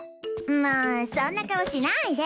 もうそんな顔しないで。